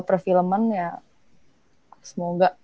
pre filmen ya semoga